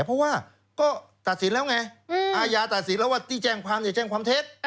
เพราะว่าก็ตัดสินแล้วไงอาญาตัดสินแล้วว่าที่แจ้งความอย่าแจ้งความเท็จ